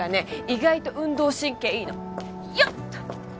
意外と運動神経いいのよっと！